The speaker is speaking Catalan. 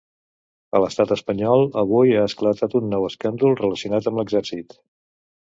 A l’estat espanyol, avui ha esclatat un nou escàndol relacionat amb l’exèrcit.